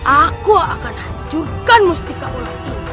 aku akan hancurkan mustika ular ini